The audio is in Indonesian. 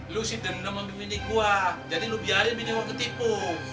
lo sederhana memimpin gue jadi lo biarin bintang lo ketipu